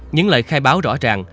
những lời khai báo rõ ràng